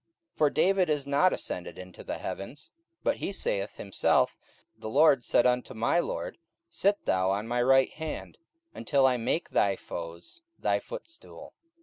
44:002:034 For David is not ascended into the heavens: but he saith himself, The Lord said unto my Lord, Sit thou on my right hand, 44:002:035 Until I make thy foes thy footstool.